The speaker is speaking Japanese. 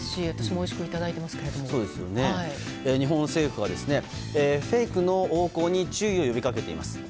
日本政府は、フェイクの横行に注意を呼び掛けています。